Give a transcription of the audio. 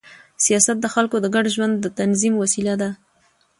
سیاست د خلکو د ګډ ژوند د تنظیم وسیله ده